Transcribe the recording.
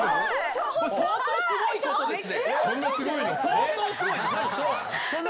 相当すごいことですよ。